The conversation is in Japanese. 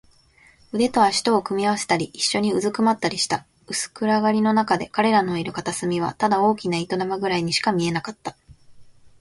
腕と脚とを組み合わせたり、いっしょにうずくまったりした。薄暗がりのなかで、彼らのいる片隅はただ大きな糸玉ぐらいにしか見えなかった。